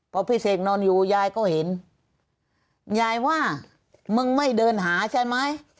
พอพี่เสกนอนอยู่ยายก็เห็นยายว่ามึงไม่เดินหาใช่ไหม